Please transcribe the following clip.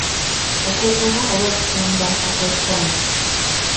Okugula oba okutunda okw'ekkomo.